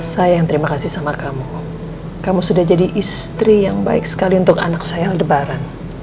saya yang terima kasih sama kamu kamu sudah jadi istri yang baik sekali untuk anak saya lebaran